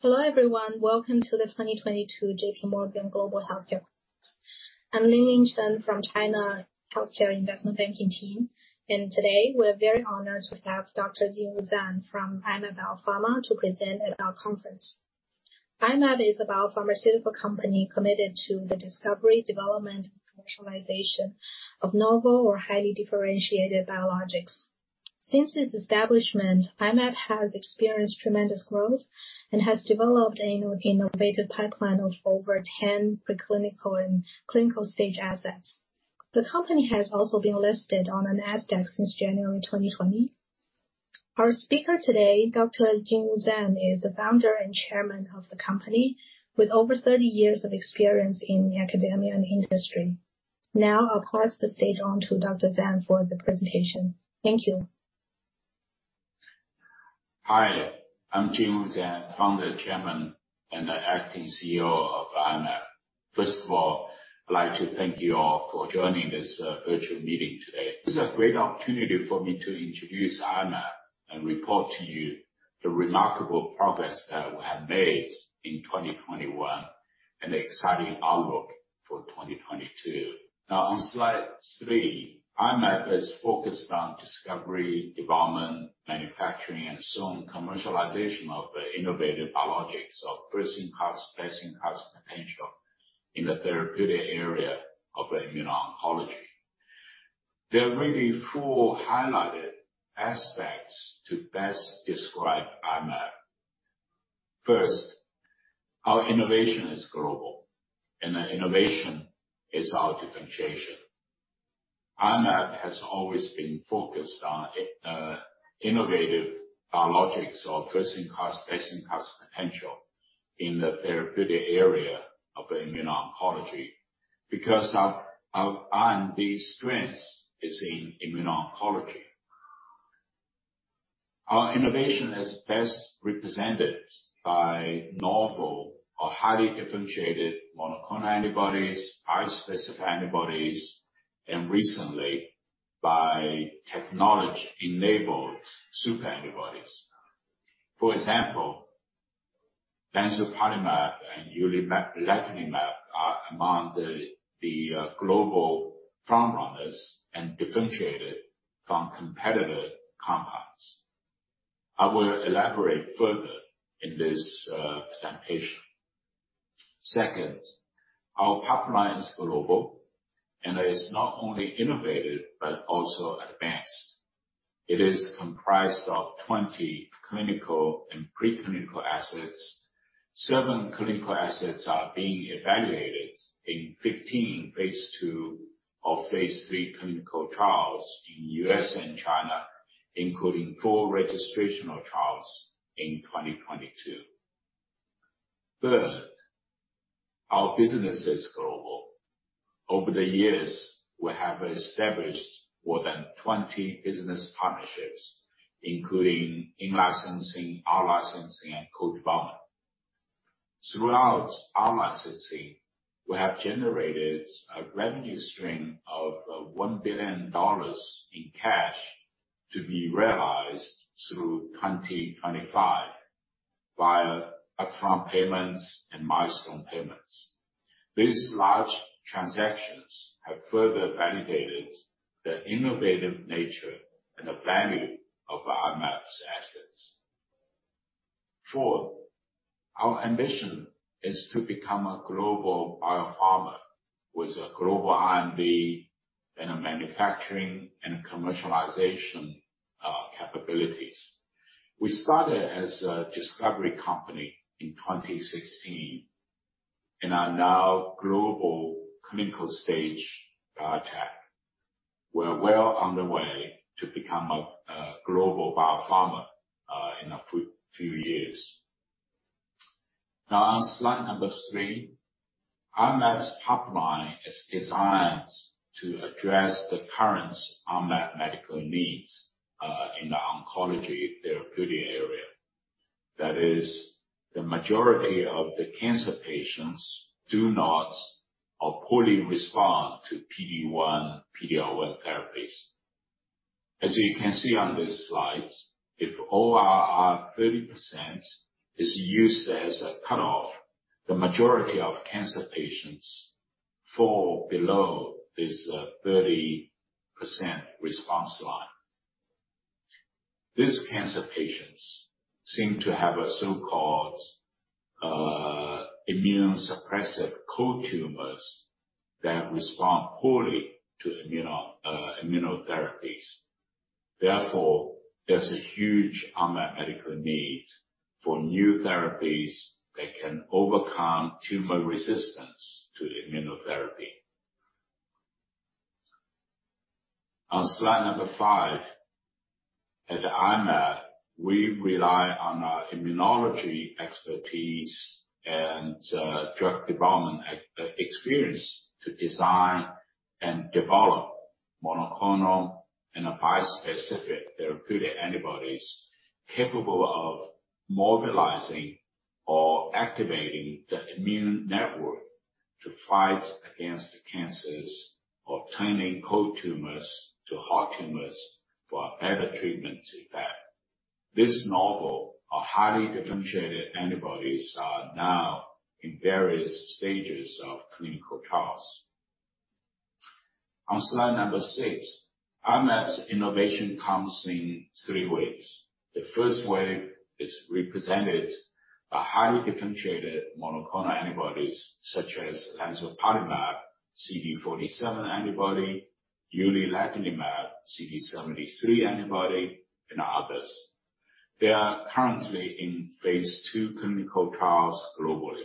Hello, everyone. Welcome to the 2022 J.P. Morgan Healthcare Conference. I'm Lingling Chen from China Healthcare Investment Banking team, and today we're very honored to have Dr. Jingwu Zang from I-Mab Biopharma to present at our conference. I-Mab is a biopharmaceutical company committed to the discovery, development, and commercialization of novel or highly differentiated biologics. Since its establishment, I-Mab has experienced tremendous growth and has developed an innovative pipeline of over 10 preclinical and clinical-stage assets. The company has also been listed on the Nasdaq since January 2020. Our speaker today, Dr. Jingwu Zang, is the founder and chairman of the company, with over 30 years of experience in academia and industry. Now I'll pass the stage on to Dr. Zang for the presentation. Thank you. Hi, I'm Jingwu Zang, Founder, Chairman, and Acting CEO of I-Mab. First of all, I'd like to thank you all for joining this virtual meeting today. This is a great opportunity for me to introduce I-Mab and report to you the remarkable progress that we have made in 2021 and the exciting outlook for 2022. Now on slide three, I-Mab is focused on discovery, development, manufacturing, and soon commercialization of innovative biologics of first-in-class, best-in-class potential in the therapeutic area of immuno-oncology. There are really four highlighted aspects to best describe I-Mab. First, our innovation is global and innovation is our differentiation. I-Mab has always been focused on innovative biologics or first-in-class, best-in-class potential in the therapeutic area of immuno-oncology because our R&D strength is in immuno-oncology. Our innovation is best represented by novel or highly differentiated monoclonal antibodies, bispecific antibodies, and recently by technology-enabled super antibodies. For example, lemzoparlimab and uliledlimab are among the global frontrunners and differentiated from competitive compounds. I will elaborate further in this presentation. Second, our pipeline is global, and it is not only innovative, but also advanced. It is comprised of 20 clinical and pre-clinical assets. Seven clinical assets are being evaluated in 15 phase II or phase III clinical trials in U.S. and China, including four registrational trials in 2022. Third, our business is global. Over the years, we have established more than 20 business partnerships, including in-licensing, out-licensing, and co-development. Through out-licensing, we have generated a revenue stream of $1 billion in cash to be realized through 2025 via upfront payments and milestone payments. These large transactions have further validated the innovative nature and the value of I-Mab's assets. Fourth, our ambition is to become a global biopharma with a global R&D and a manufacturing and commercialization capabilities. We started as a discovery company in 2016 and are now global clinical-stage biotech. We're well underway to become a global biopharma in a few years. Now on slide three, I-Mab's pipeline is designed to address the current unmet medical needs in the oncology therapeutic area. That is, the majority of the cancer patients do not or poorly respond to PD-1, PD-L1 therapies. As you can see on this slide, if ORR 30% is used as a cutoff, the majority of cancer patients fall below this 30% response line. These cancer patients seem to have a so-called immunosuppressive cold tumors that respond poorly to immunotherapies. Therefore, there's a huge unmet medical need for new therapies that can overcome tumor resistance to the immunotherapy. On slide five, at I-Mab, we rely on our immunology expertise and drug development experience to design and develop monoclonal and bispecific therapeutic antibodies capable of mobilizing or activating the immune network to fight against cancers or turning cold tumors to hot tumors for better treatment effect. These novel highly differentiated antibodies are now in various stages of clinical trials. On slide six, I-Mab's innovation comes in three waves. The first wave is represented by highly differentiated monoclonal antibodies such as lemzoparlimab, CD47 antibody, uliledlimab, CD73 antibody, and others. They are currently in phase II clinical trials globally.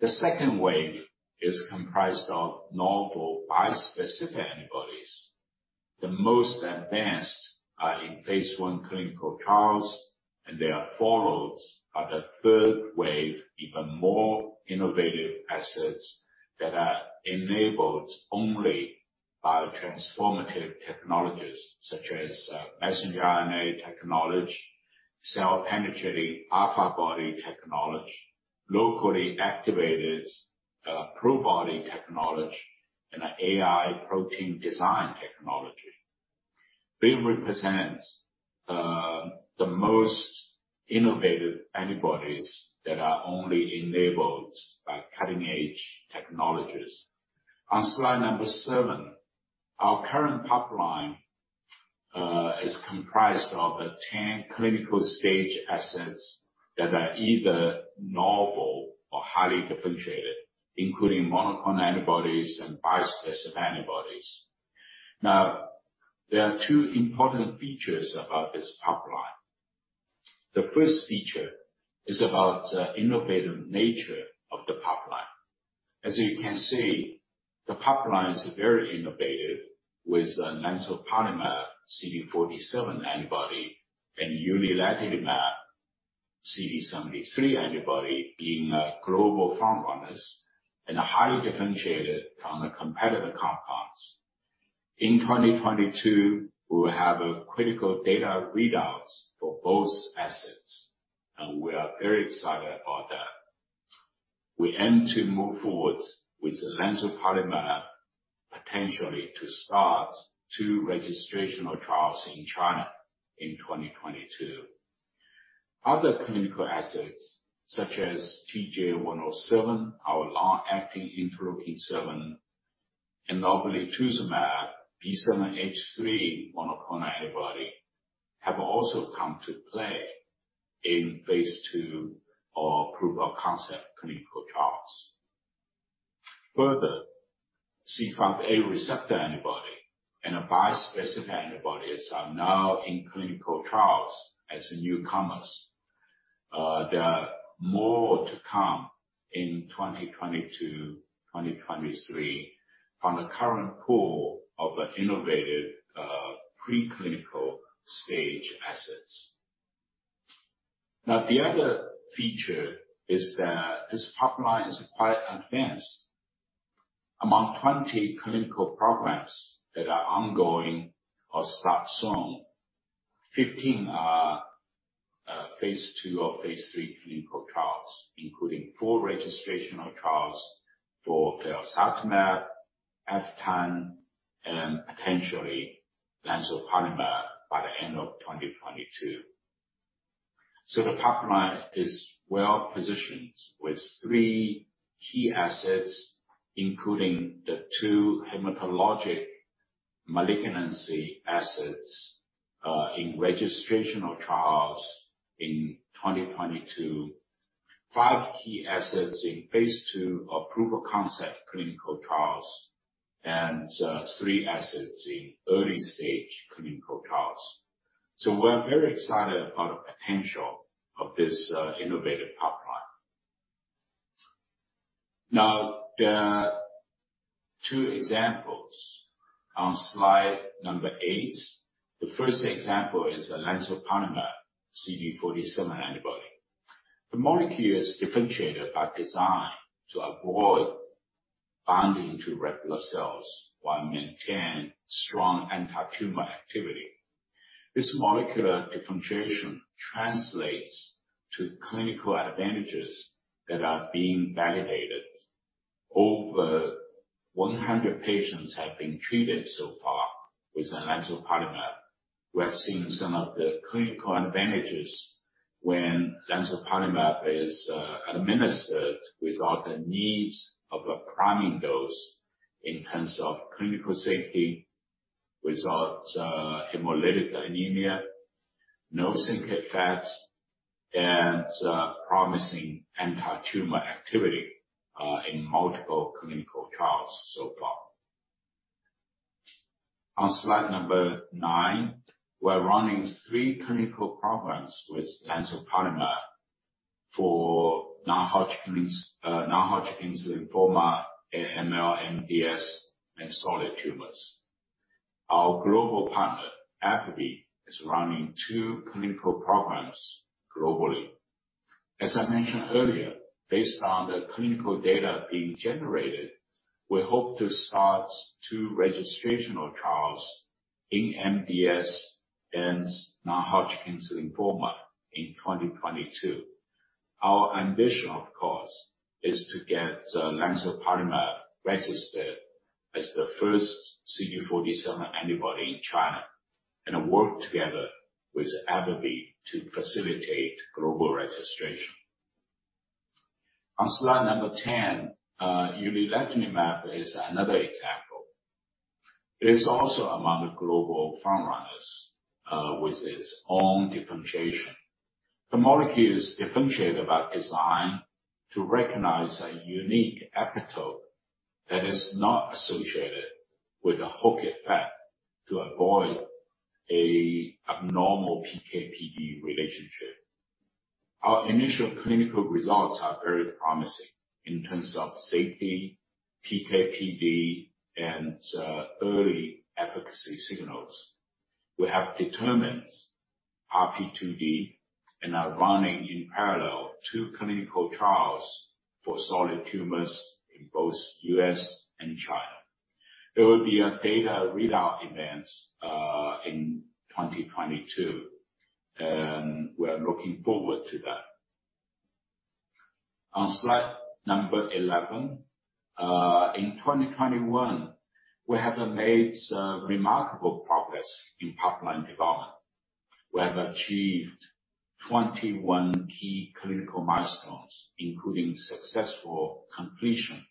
The second wave is comprised of novel bispecific antibodies. The most advanced are in phase I clinical trials, and they are followed by the third wave, even more innovative assets that are enabled only by transformative technologies such as mRNA technology, cell-penetrating antibody technology, locally activated Probody technology, and AI protein design technology. They represent the most innovative antibodies that are only enabled by cutting-edge technologies. On slide number seven, our current pipeline is comprised of 10 clinical stage assets that are either novel or highly differentiated, including monoclonal antibodies and bispecific antibodies. Now, there are two important features about this pipeline. The first feature is about innovative nature of the pipeline. As you can see, the pipeline is very innovative with lemzoparlimab CD47 antibody and uliledlimab CD73 antibody being global front runners and highly differentiated from the competitor compounds. In 2022, we will have critical data readouts for both assets, and we are very excited about that. We aim to move forward with lemzoparlimab, potentially to start two registrational trials in China in 2022. Other clinical assets such as TJ107, our long-acting interleukin-7 and novel itumab B7-H3 monoclonal antibody, have also come to play in phase II or proof of concept clinical trials. Further, CSF1R receptor antibody and bispecific antibodies are now in clinical trials as newcomers. There are more to come in 2022, 2023 from the current pool of innovative, preclinical stage assets. Now, the other feature is that this pipeline is quite advanced. Among 20 clinical programs that are ongoing or start soon, 15 are phase II or phase III clinical trials, including four registrational trials for felzartamab, and potentially lemzoparlimab by the end of 2022. The pipeline is well-positioned with three key assets, including the two hematologic malignancy assets in registrational trials in 2022. Five key assets in phase II are proof of concept clinical trials and three assets in early stage clinical trials. We're very excited about the potential of this innovative pipeline. Now, there are two examples on slide 8. The first example is lemzoparlimab CD47 antibody. The molecule is differentiated by design to avoid binding to regular cells while maintain strong anti-tumor activity. This molecular differentiation translates to clinical advantages that are being validated. Over 100 patients have been treated so far with lemzoparlimab. We have seen some of the clinical advantages when lemzoparlimab is administered without the need of a priming dose in terms of clinical safety, without hemolytic anemia, no cytokine effects, and promising anti-tumor activity in multiple clinical trials so far. On slide number 9, we're running three clinical programs with lemzoparlimab for non-Hodgkin's lymphoma, AML, MDS, and solid tumors. Our global partner, AbbVie, is running two clinical programs globally. As I mentioned earlier, based on the clinical data being generated. We hope to start two registrational trials in MDS and non-Hodgkin's lymphoma in 2022. Our ambition, of course, is to get the lemzoparlimab registered as the first CD47 antibody in China, and work together with AbbVie to facilitate global registration. On slide number 10, uliledlimab is another example. It is also among the global frontrunners with its own differentiation. The molecule is differentiated by design to recognize a unique epitope that is not associated with a hook effect to avoid an abnormal PK/PD relationship. Our initial clinical results are very promising in terms of safety, PK/PD, and early efficacy signals. We have determined RP2D and are running in parallel two clinical trials for solid tumors in both U.S. and China. There will be a data readout events in 2022, and we are looking forward to that. On slide number 11, in 2021, we have made remarkable progress in pipeline development. We have achieved 21 key clinical milestones, including successful completion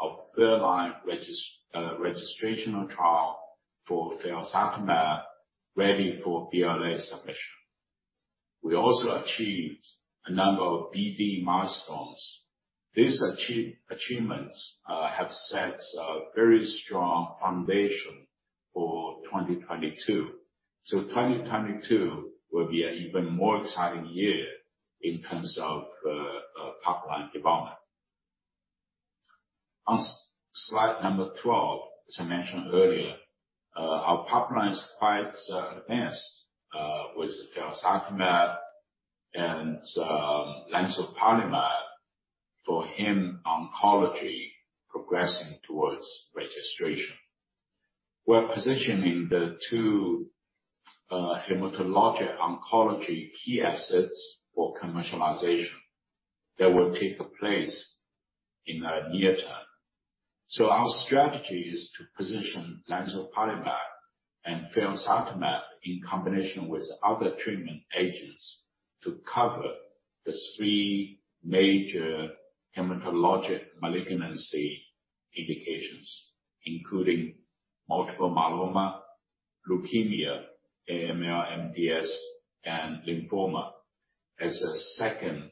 of third-line registrational trial for felzartamab ready for BLA submission. We also achieved a number of BD milestones. These achievements have set a very strong foundation for 2022. 2022 will be an even more exciting year in terms of pipeline development. On slide number twelve, as I mentioned earlier, our pipeline is quite advanced with felzartamab and lemzoparlimab for hematologic oncology, progressing towards registration. We're positioning the two hematologic oncology key assets for commercialization that will take place in the near term. Our strategy is to position lemzoparlimab and felzartamab in combination with other treatment agents to cover the three major hematologic malignancy indications, including multiple myeloma, leukemia, AML, MDS, and lymphoma as a second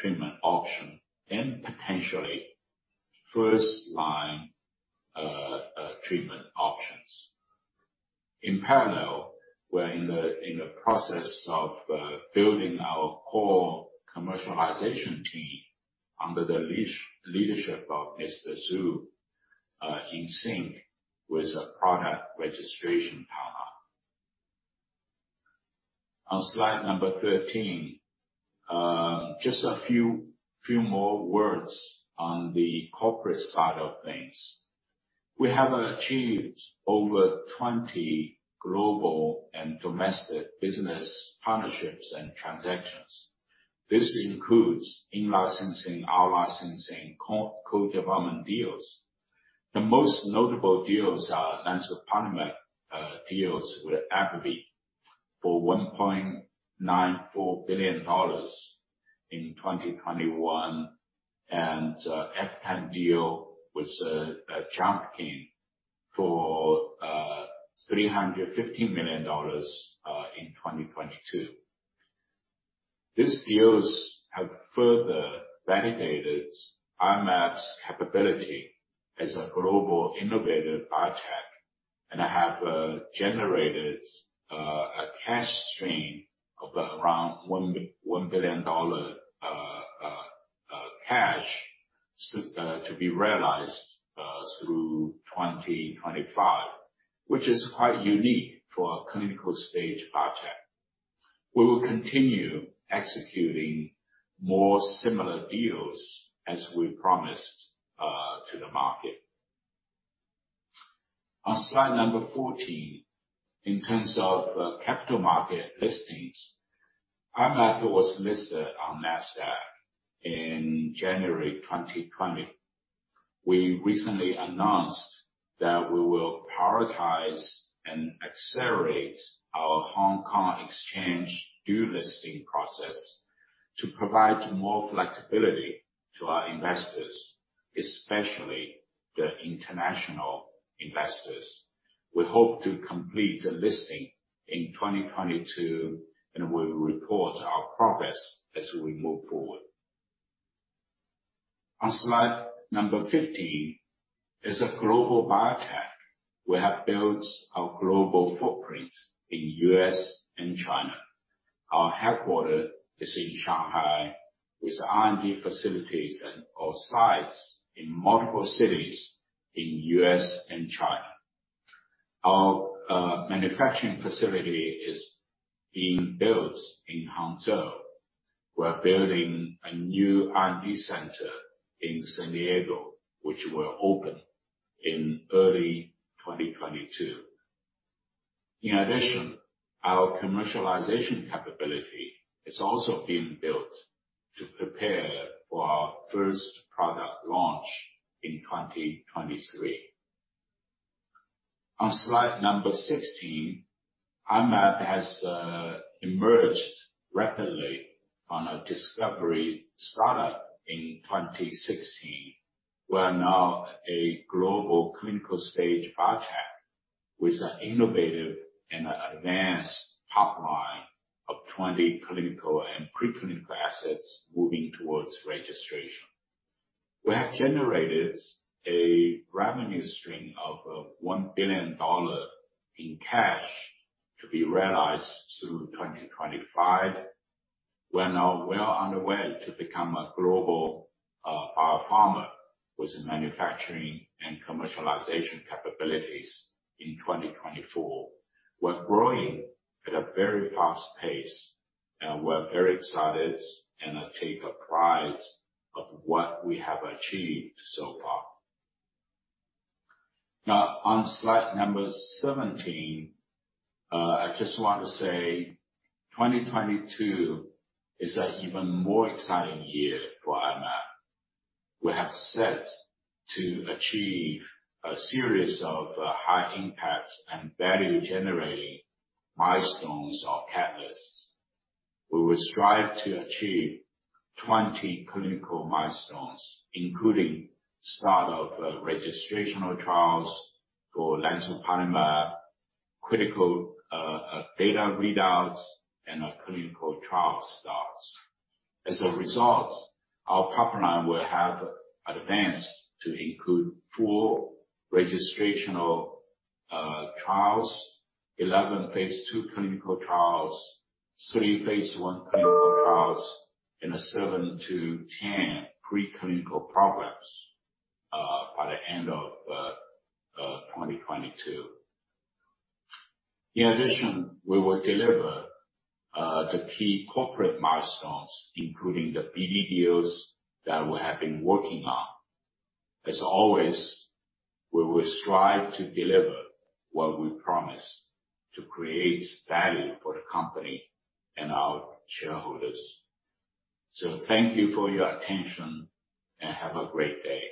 treatment option and potentially first-line treatment options. In parallel, we're in the process of building our core commercialization team under the leadership of Mr. Zhu in sync with a product registration partner. On slide 13, just a few more words on the corporate side of things. We have achieved over 20 global and domestic business partnerships and transactions. This includes in-licensing, out-licensing, co-development deals. The most notable deals are lemzoparlimab deals with AbbVie for $1.94 billion in 2021, and lemzoparlimab deal with Junshi for $350 million in 2022. These deals have further validated I-Mab's capability as a global innovative biotech, and have generated a cash stream of around $1 billion to be realized through 2025. Which is quite unique for a clinical stage biotech. We will continue executing more similar deals as we promised to the market. On slide number 14, in terms of capital market listings, I-Mab was listed on Nasdaq in January 2020. We recently announced that we will prioritize and accelerate our Hong Kong Stock Exchange dual listing process to provide more flexibility to our investors, especially the international investors. We hope to complete the listing in 2022, and we will report our progress as we move forward. On slide number 15, as a global biotech, we have built our global footprint in U.S. and China. Our headquarters is in Shanghai with R&D facilities or sites in multiple cities in U.S. and China. Our manufacturing facility is being built in Hangzhou. We're building a new R&D center in San Diego, which will open in early 2022. In addition, our commercialization capability is also being built to prepare for our first product launch in 2023. On slide 16, I-Mab has emerged rapidly as a discovery startup in 2016. We are now a global clinical stage biotech with an innovative and advanced pipeline of 20 clinical and pre-clinical assets moving towards registration. We have generated a revenue stream of $1 billion in cash to be realized through 2025. We're now well underway to become a global biopharma with manufacturing and commercialization capabilities in 2024. We're growing at a very fast pace, and we're very excited and I take a pride of what we have achieved so far. Now, on slide 17, I just want to say 2022 is an even more exciting year for I-Mab. We are set to achieve a series of high impact and value generating milestones or catalysts. We will strive to achieve 20 clinical milestones, including start of registrational trials for lemzoparlimab, critical data readouts and our clinical trial starts. As a result, our pipeline will have advanced to include four registrational trials, 11 phase II clinical trials, three phase I clinical trials, and 7-10 preclinical programs by the end of 2022. In addition, we will deliver the key corporate milestones, including the BD deals that we have been working on. As always, we will strive to deliver what we promise to create value for the company and our shareholders. Thank you for your attention, and have a great day.